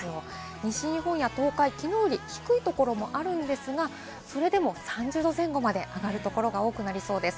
西日本や東海、きのうより低いところもあるんですが、それでも３０度前後まで上がるところが多くなりそうです。